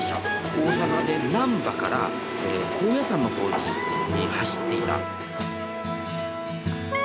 大阪で難波から高野山の方に走っていた。